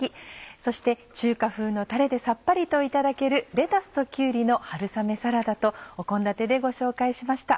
そして中華風のたれでさっぱりといただける「レタスときゅうりの春雨サラダ」と献立でご紹介しました。